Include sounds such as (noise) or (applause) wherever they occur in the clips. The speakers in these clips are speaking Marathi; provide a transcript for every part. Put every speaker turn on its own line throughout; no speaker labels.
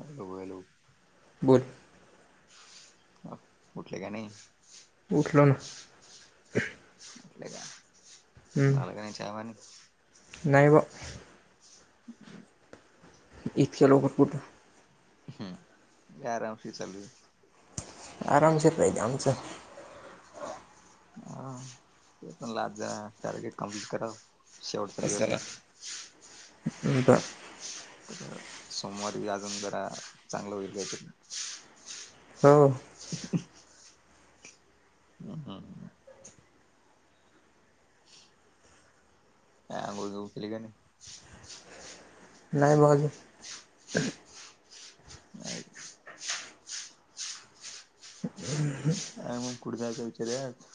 हॅलो, हॅलो
बोल
अ उठले का नाही?
उठलो ना
उठले का झालं का नाही चहा पाणी?
नाहीव
(unintelligible)
इतक्या लवकर कुठ
हम्म आरामशी चालू
आराम (unintelligible)
ह म्हणलं आज जरा टार्गेट कम्प्लीट कराव
पसारा ह
सोमवारी बी अजून जरा चांगलं होईल काय तरी
हाव
(inaudible) (inaudible) ह अंगुळ, बिंगुळ केली का नाही
नाही ब अजून
नाही का?
(inaudible)
काय मग कुठ जायचा विचार आहे आज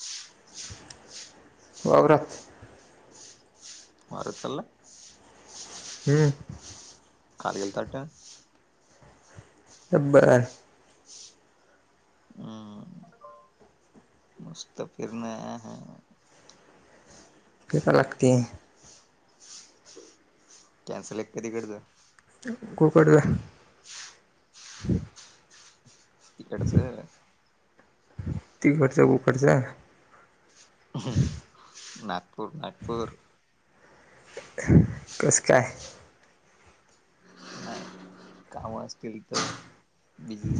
वावरात
वावरात चाललाय
हम्म
(unintelligible)
तर बरं
हा नुस्त फिरणं ऐ हा
(unintelligible) लागती.
कॅन्सल एक (unintelligible)
(unintelligible)
(unintelligible)
तिकडंच (unintelligible)
नागपूर नागपूर.
कसं काय?
(unintelligible) असतील तर बझी.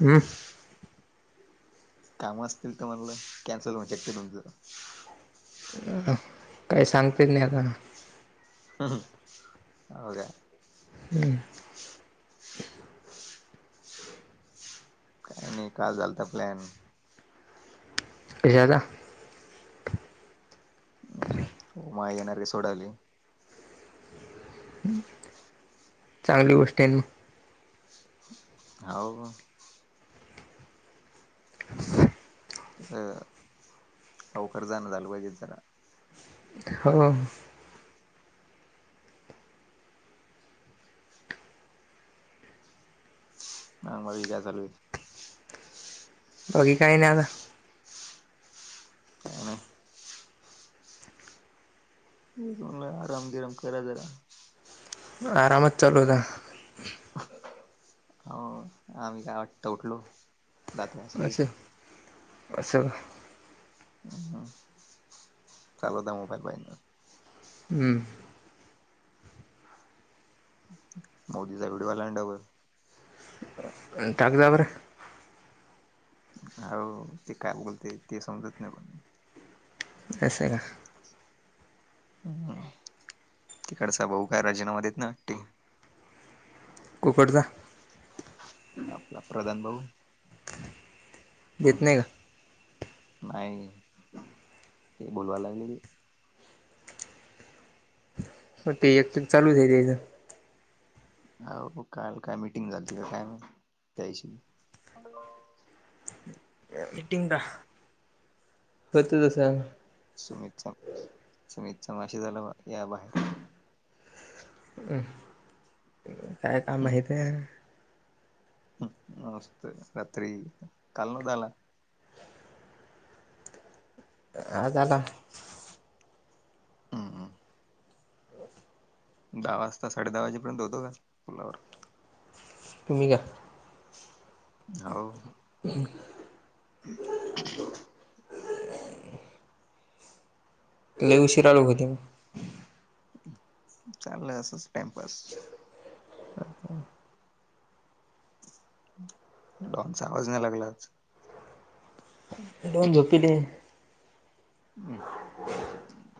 हं
काम तर म्हणाल कॅन्सल (unintelligible)
काही सांगता येत नाही आता.
हो का?
(inaudible)
नई काल झालता प्लॅन.
कश्याचा?
माय येणार सोडयले.
चांगली गोष्टी ये ना.
हो. लवकर जाण झाल पाहिजे जरा.
हो.
हा बाकी काय चालुय?
बाकी काही नाही आता.
(unintelligible) (unintelligible)
आरामच चालूता ये का?
हो आम्ही आता उठलो. दात घासली
अस अस.
(unintelligible) मोबाईल (unintelligible)
हम्म
मोदीचा व्हिडिओ आला य ना डबल.
टाक जा बर.
हो ते काय बोलते ते समजत नाही पण.
(unintelligible)
खरं सांगू भाऊ काय राजीनामा देत ना.
(unintelligible)
आपला प्रधान भाऊ.
देत नाही व्हा.
नाही ते बोलवाय लागले.
(unintelligible) एकक चालूय (unintelligible)
हो काल काय मिटिंग झालती का काय म्हायती त्याच्याशी. (inaudible)
मीटिंग का? बर तुझं सांग.
सुमितचा सुमितचा मेसेज आला या बाहेर.
अम्, काय काम माहितेय?
मस्तय, रात्री काल न त्याला
आ, झाला.
हं हं दहा वाजता, साडे दहा वाजेपर्यंत होतो का पुलावर.
तुम्ही का?
हो
हम्म लय उशीरा आलो घरी मी.
चाललंय असंच टाइमपास डॉगचा आवाज नाय लागला आज हम्म
दोन झोपिले
हम्म,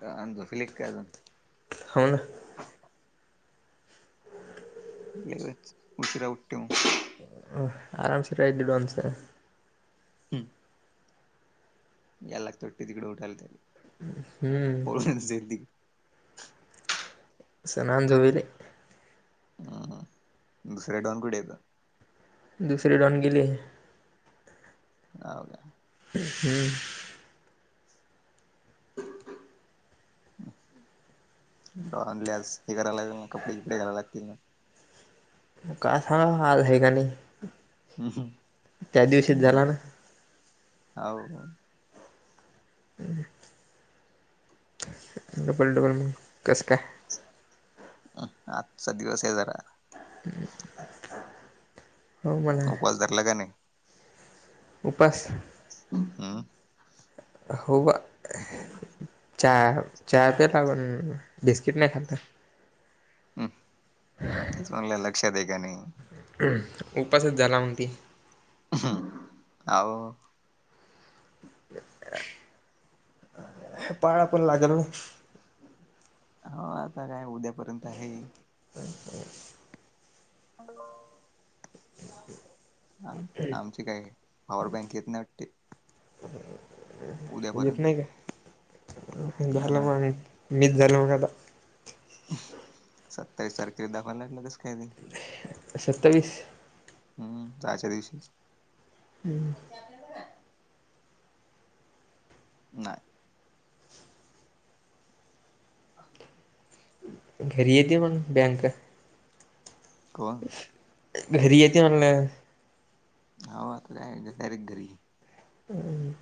काय आणि झोपली काय अजून?
हो ना
हाय (unintelligible) गेलेच, उशिरा उटते म
आरामशीर राहायच, डॉनसारख.
हम्म यायला लागतोय वाटत, तिकडे उठायला त्याले,
हम्म
(unintelligible)
सना अजून झोपीले
हम्म हम्म, दुसऱ्या डॉन कुठे येत?
दुसरी डॉन गेली आहे.
हाव काय?
हम्म ह.
(unintelligible) डॉनले आज हे कराय लागलन, कपडे बीपडे घालायला लागतील ना
काय सांगाव आज हाय का नही.
हम्म
झाला
ह,
ना
हाव का
डबल डबल मंग, कस काय?
हं, आजचा दिवस हे जरा
हो म्हणा
उपवास धरला का नाही?
उपास
अं,
हो बा, चाय चाय पेता पण बिस्किट नाही खाल्लत
हम्म, तेच म्हंटल लक्षात हे का नाही.
हम्म, उपासच झाला मंग ते
हम्म, आ ओ
पाळा पण लागल ना
हो, आता काय उद्यापर्यंत आहे.
(unintelligible)
(unintelligible) हा, आमची काय पॉवर बँक येत नाय वाटते.
(inaudible) येत
उद्यापर्यंत
नाही काय,
हा
झाल
ना
मंग मीस झालं मग आता
सत्तावीस तारखेला दाखवायला लागलं कस काय नाही.
सत्तावीस
हम्मं जायचा दिवशी? नाय (unintelligible)
घरी येते म्हण बँक
कोण?
घरी येते म्हणलं
आव, आता जायाचं डायरेक्ट घरी.
हम्म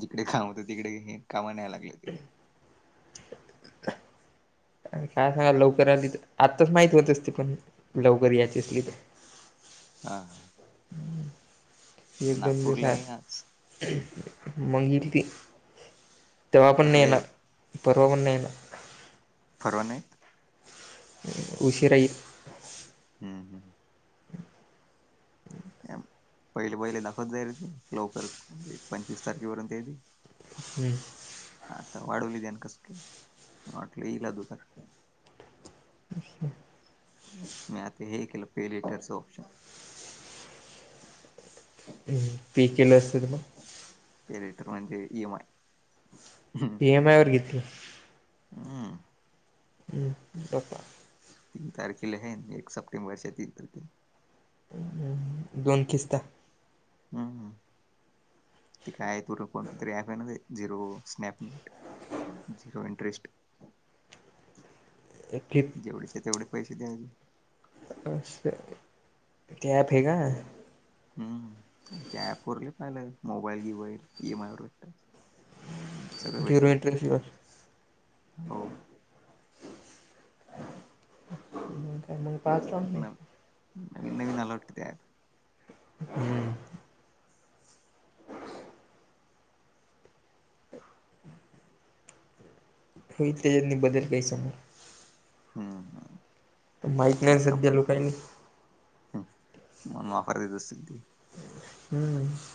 जिकडे काम होतं, तिकडे हे कामा न्याय लागलं ते
काय सांगा लवकर आली तर, आत्ताच माहित होत असते पण लवकर यायची असली तर
हा हा
एकदम
नागपूरला
बेकार
आहे आज
मग ईल ती, तेव्हा पण
येथे
नाही येणार
काही
परवा पण नाही येणार
परवा नाहीत
उशिरा ईल
हम्म हम पहिले, पहिले दाखवत जायल ती लवकरच म्हणजे पंचवीस तारखेपर्यंत तेजी
हम्म
आता वाढवली त्यानं कस काय, वाटलं येईल अगुदर मी आता हे केलं पे लिटरचं ऑप्शन
पी केलं असत तर मग?
पेर लेटर म्हणजे इ एम माय
ई एम आयवर घेतलं (unintelligible)
तीन तारखेला हे अन, एक सप्टेंबरच्या तीन तारखेला
(unintelligible) दोन खिस्ता
हम हम ते काय आहे तु कोणत तरी अँप आहे नव्हे झिरो स्नॅपमेट झीरो इंटरेस्ट
एक कित
जेवढेच्या तेवढे पैसे द्यावी
असं, ते अँप आहे का?
हम्, त्या ऍप वर लई पाहिलं, मोबाईल गिवाईल ई एम आय वर भेटतं
झरो इंटरेस्ट (unintelligible)
हो
मंग काच
नम, नवीन -नवीन आलं वाटतं ते अँप
हम्म होईलं तेच्यातनी बदल व्हयचा म
हम्मं हम
माहीत नाही सध्या लोकांनी
हम्म (unintelligible)
(inaudible)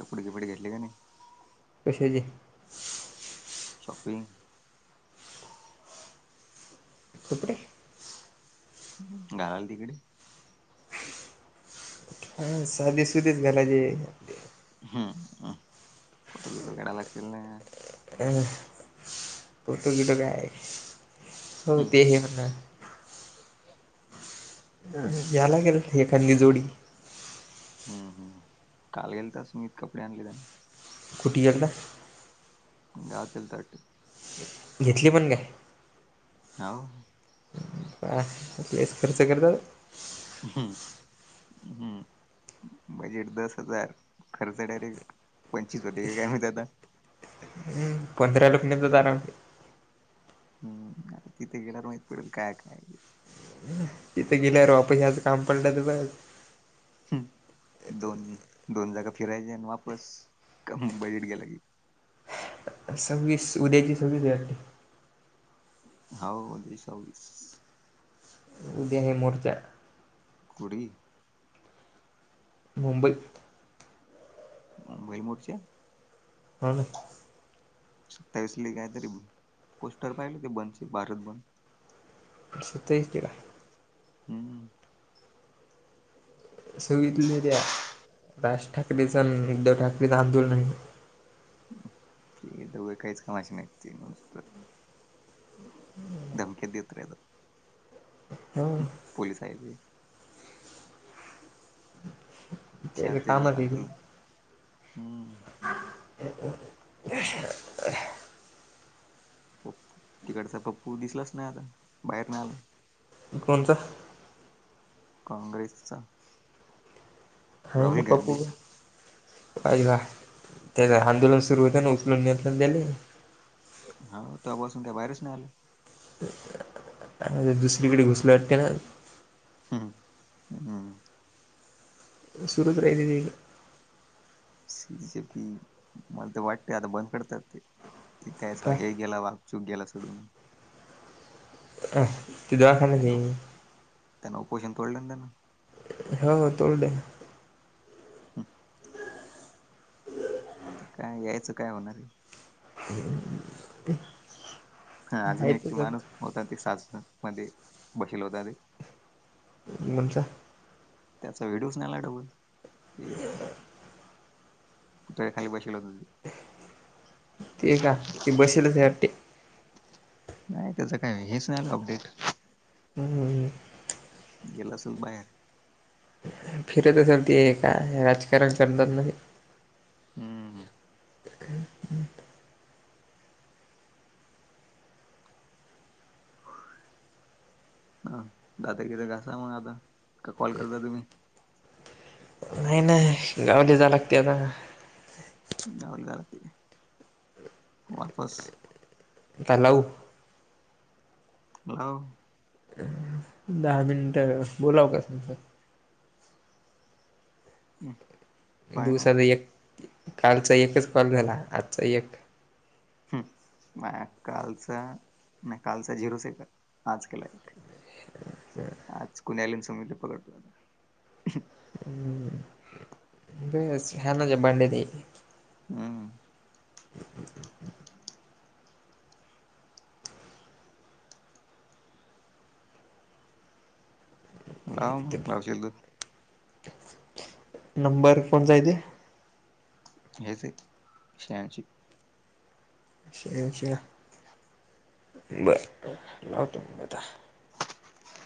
कपडे-बिपडे घेतली की नी?
कशाचे?
शॉपिंग.
कपडेे.
घाल तिकडं.
साध सुधच घालायले.
हम्म हम्म (unintelligible) लागतील ना.
अ पोर्तुगी गाय हो
हम्म
तेही म्हणा. यालागेल एखादी जोडी.
हम् हम्म काल गेलता सुमित कपडे आणलेला.
कुटी गेलता?
गावात गेलता वाटतं.
घेतली पण काय?
हाव.
आ लयच खर्च करतो.
हम्म हम्म.. बजेट दस हजार खर्च डायरेक्ट पंचवीस होतेय काय माहित आता.
हम्म पंधरा लुटणायच आराउंड.
हम्म काय तिथे गेल्यावर माहित पडेल काय काय ते.
तिथे गेल्यावर वापस यायचं काम पडलं तर बर.
हम्म दोन दोन जागा फिरायच्या आणि वापस कम बजेट गेला की.
सहविसा उद्याचे सहविसा हे वाटते.
होव उद्या सहविस.
उद्या हे मोर्चा.
कुडी.
मुंबई.
मुंबई मोर्चा?
हो ना.
सत्तावीसली कायतरी पोस्टर पाहिलं ते बंदचे भारत बंद.
सातवीस ते ला.
हम्म!
सहविसा जुलै या राज ठाकरेच उद्धव ठाकरेचं आंदोलन हाय.
ते दोघं काहीच कमाशी नाहीत ते नुसत धमक्या देत राहीतात.
हो.
पोलीस आहेत.
त्याच
शांततेत
कामच
आंदोलन.
आहे
हम्म!
(inaudible)
पप्प तिकडचा पप्पू दिसलाच नाही आता बाहेर नाही आला.
कोणाचा?
काँग्रेसचा.
हाय
राहुल
ना
गांधी
पप्पू हाय का त्या आंदोलन सुरू होते ना उचलून नेलतान त्याले.
हाव तेव्हापासून काय बाहेरच नाही आलं.
आणिर दुसरीकड घुसल वाटते ना.
हू हू.
सुरूच राहिते त्यायच.
सीचे पी मला ते वाटते, आता बंद करत्यात ते. ते कायच
का
हे गेला वाग चूक गेला सोडून.
तो दवाखान्यात ये.
त्यांना त्यांना उपोषण तोडलं ना त्यांन.
हो तोडलं.
(inaudible) काय यायचं काय होणार?
ते.
हा अजून एक ते माणूस होता, ते सास मध्ये बसेल होता ते
मज्जा.
त्याचा व्हिडिओच नाही आला डबल. कुठ खाली बशिवलेल तीथ.
ते का ते बसेल (unintelligible)
नाही त्याच काय हेच नाही आल अपडेट.
हू हू.
गेला असल बाहेर.
फिरत असल, ते काय राजकारण करतात ना ते.
हू हू.
ह् (inaudible)
हा दात किथ घासा मग आता. का कॉल करता तुम्ही?
गावले जा लागते आता.
गावाले जा लागते. वापस
का लावू?
लाव.
दहा मिनिट बोलाव काय?
हू.
दिवसाचा एक, कालचा एकच कॉल झाला. आजचा एक
हुं. माह्या कालचा नाही कालचा झिरो सेकंद, आज केला एक. आज कुण्याली नी समीला पकडतो आता.
(inaudible) अ ह्या ना ज बांड दे.
हा हा. लाव म
आहे
लावशील तर.
नंबर कोणचा हाय थे.
हेच हाय की, शहाएंशी
बर ब लावतो म आता.
(inaudible)